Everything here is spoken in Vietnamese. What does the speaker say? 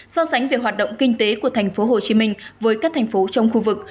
so sánh về hoạt động kinh tế của thành phố hồ chí minh với các thành phố trong khu vực